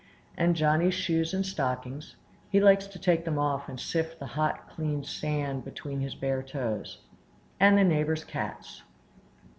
and Johnny's shoes and stockings (he likes to take them off and sift the hot, clean sand between his bare toes), and the neighbors' cats.